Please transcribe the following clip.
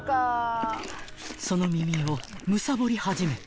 ［その耳をむさぼり始めた］